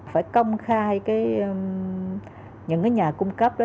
phải công khai những nhà cung cấp